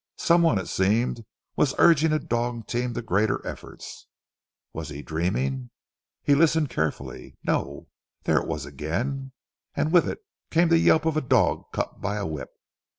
Some one, it seemed, was urging a dog team to greater efforts. Was he dreaming? He listened carefully. No! There it was again, and with it came the yelp of a dog cut by a whip.